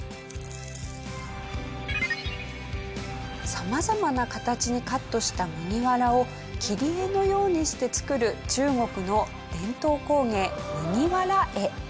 様々な形にカットした麦わらを切り絵のようにして作る中国の伝統工芸麦わら絵。